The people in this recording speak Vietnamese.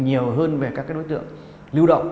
nhiều hơn về các đối tượng lưu động